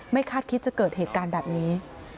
คาดคิดจะเกิดเหตุการณ์แบบนี้